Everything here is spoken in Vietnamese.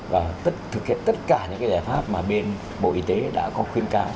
và thực hiện tất cả những cái giải pháp mà bên bộ y tế đã có khuyên cáo